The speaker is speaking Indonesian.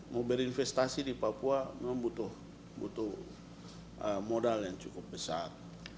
mau berinvestasi di papua memang butuh modal yang cukup besar